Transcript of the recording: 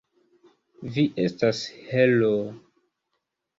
Vi estas heroo!